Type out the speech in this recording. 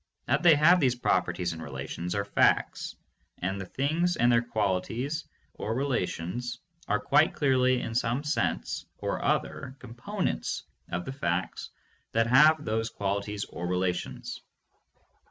That they have these properties and relations are facts, and the things and their qualities or relations are quite clearly in some sense or other components of the facts that have those qualities or relations.